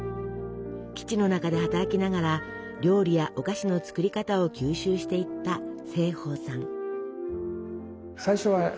基地の中で働きながら料理やお菓子の作り方を吸収していった盛保さん。